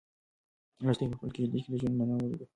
لښتې په خپله کيږدۍ کې د ژوند مانا ولیده.